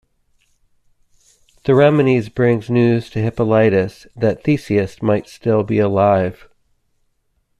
Theramenes brings news to Hippolytus that Theseus might still be alive.